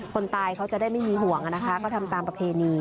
คนตายเขาจะได้ไม่มีห่วงนะคะก็ทำตามประเพณี